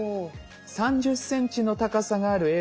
３０ｃｍの高さがあるＡ